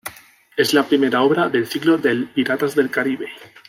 Es la primera obra del ciclo del "Piratas del Caribe".